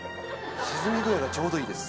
沈み具合がちょうどいいです。